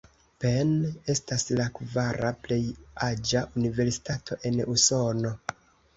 Penn estas la kvara plej aĝa universitato en Usono.